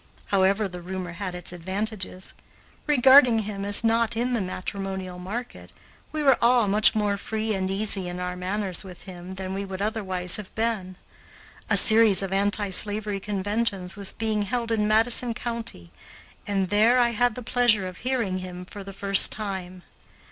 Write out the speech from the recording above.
However, the rumor had its advantages. Regarding him as not in the matrimonial market, we were all much more free and easy in our manners with him than we would otherwise have been. A series of anti slavery conventions was being held in Madison County, and there I had the pleasure of hearing him for the first time.